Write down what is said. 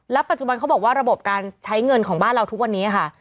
ปัจจุบันเขาบอกว่าระบบการใช้เงินของบ้านเราทุกวันนี้ค่ะ